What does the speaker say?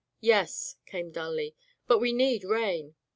"Yes," came dully. "But we need rain."